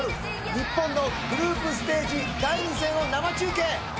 日本のグループステージ２戦を生中継。